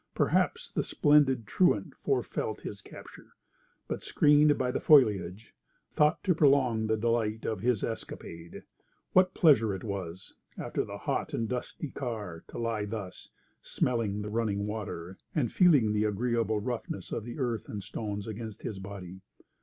Perhaps the splendid truant forefelt his capture, but, screened by the foliage, thought to prolong the delight of his escapade. What pleasure it was, after the hot and dusty car, to lie thus, smelling the running water, and feeling the agreeable roughness of the earth and stones against his body!